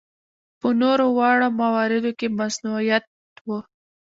په نورو واړه مواردو کې مصنوعیت و.